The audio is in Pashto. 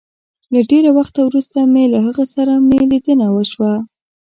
له ډېره وخته وروسته مي له هغه سره مي ليدنه وشوه